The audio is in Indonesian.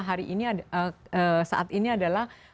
hari ini saat ini adalah